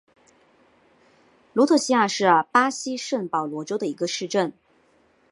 卢特西亚是巴西圣保罗州的一个市镇。